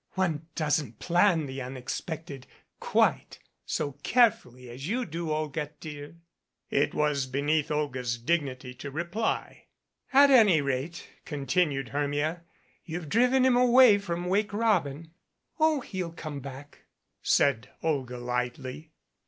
"One doesn't plan the unex pected quite so carefully as you do, Olga, dear." It was beneath Olga's dignity to reply. "At any rate," continued Hermia, "you've driven him away from 'Wake Robin'." "Oh, he'll come back," said Olga lightly.